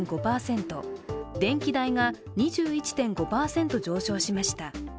電気代が２１．５％上昇しました。